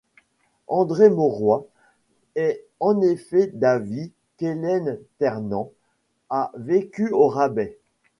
André Maurois est en effet d'avis qu'Ellen Ternan a vécu au rabais.